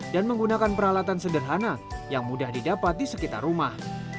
dan menggunakan peralatan sederhana yang mudah didapat di sekitar rumah